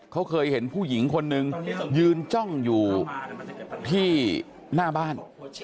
เขาเคยเห็นผู้หญิงคนนึงยืนจ้องอยู่ที่หน้าบ้าน